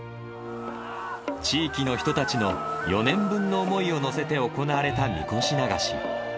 地域の人たちの４年分の思い乗せて行われたみこし流し。